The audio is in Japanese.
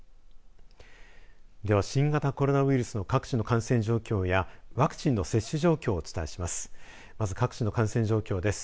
では、新型コロナウイルスの各地の感染状況やワクチンの接種状況をお伝えします。